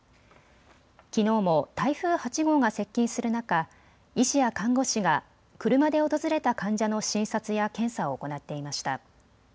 きのうも台風８号が接近する中、医師や看護師が車で訪れた患者の診察や検査を行っていました。